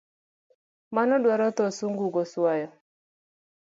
Mano dwaro tho sungu goswayo